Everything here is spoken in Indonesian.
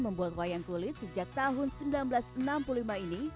membuat wayang kulit sejak tahun seribu sembilan ratus enam puluh lima ini